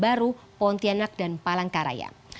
baru pontianak dan palangkaraya